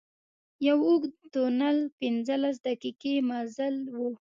یو اوږد تونل پنځلس دقيقې مزل و.